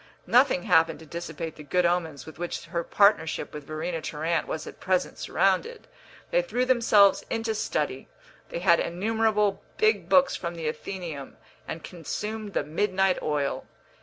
Nothing happened to dissipate the good omens with which her partnership with Verena Tarrant was at present surrounded. They threw themselves into study; they had innumerable big books from the Athenæum, and consumed the midnight oil.